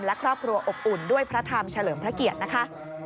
และครอบครัวอบอุ่นด้วยพระธรรมเฉลิมพระเกียรตินะคะ